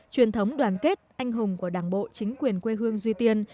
truyền thống đoàn kết anh hùng của đảng bộ chính quyền quê hương duy tiên